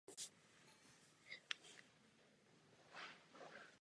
Díky své strategické poloze jsou Lovosice významným dopravním uzlem.